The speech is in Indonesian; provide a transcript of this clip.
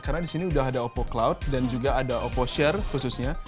karena di sini sudah ada oppo cloud dan juga ada oppo share khususnya